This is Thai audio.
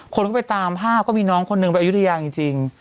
คนก็ไปตามภาพก็มีน้องคนหนึ่งไปอายุทยาจริง